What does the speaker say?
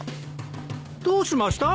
どうしました？